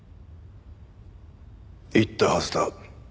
言ったはずだ。